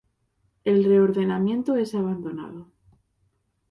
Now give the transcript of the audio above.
El reordenamiento es abandonado.